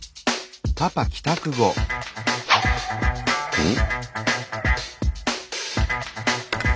うん？